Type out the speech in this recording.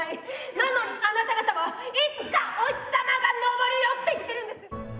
なのにあなた方は「いつかお日さまが昇るよ」って言ってるんです！